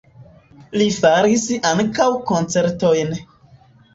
Li faris ankaŭ koncertojn.